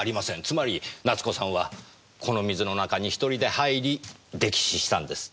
つまり奈津子さんはこの水の中に１人で入り溺死したんです。